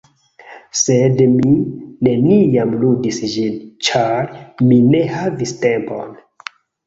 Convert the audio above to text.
sed mi neniam ludis ĝin, ĉar mi ne havis tempon.